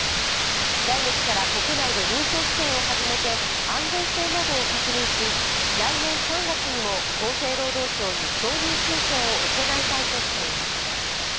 来月から国内で臨床試験を始めて安全性などを確認し、来年３月にも厚生労働省に承認申請を行いたいとしています。